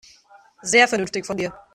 Sehr vernünftig von dir.